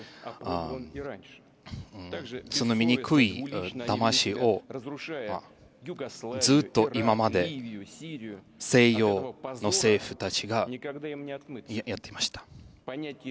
そのみにくいだましをずっと今まで西洋の政府たちがやってました。